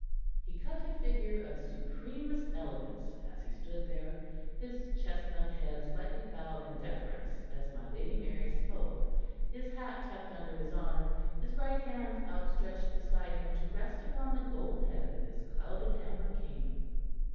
He cut a figure of supremest elegance, as he stood there, his chestnut head slightly bowed in deference as my Lady Mary spoke, his hat tucked under his arm, his right hand outstretched beside him to rest upon the gold head of his clouded amber cane.